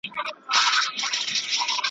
شیطاني صبر .